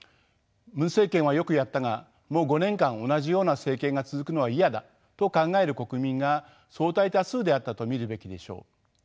ムン政権はよくやったがもう５年間同じような政権が続くのは嫌だと考える国民が相対多数であったと見るべきでしょう。